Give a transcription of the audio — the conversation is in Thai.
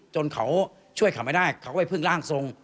จนเขาช่วยเขาไม่ได้เขาก็ไปพึ่งร่างทรง